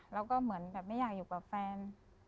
แล้วก็เหมือนแบบไม่อยากอยู่กับแฟน